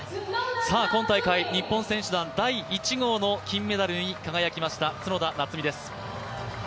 今大会、日本選手団第１号の金メダルに輝きました角田夏実です。